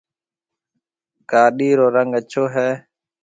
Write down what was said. گاڏِي رو رنگ اڇو ھيََََ